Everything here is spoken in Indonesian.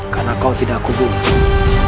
karena kau tidak aku bunuh